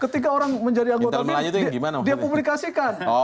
ketika orang menjadi anggota bin